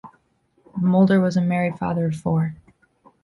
Mulder was a married father of four.